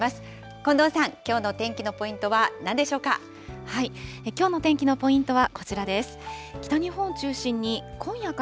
近藤さん、きょうのお天気のポイントはなんでしょうか。